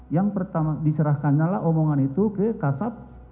yang pertama diserahkannya lah omongan itu ke kasat